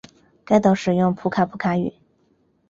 该岛使用普卡普卡语。